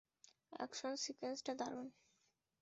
Action সিকুয়েন্সটা দারুণ!